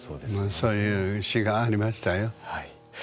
そういう詩がありましたよ。